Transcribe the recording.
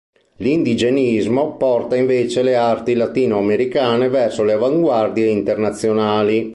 L'indigenismo porta invece le arti latinoamericane verso le avanguardie internazionali.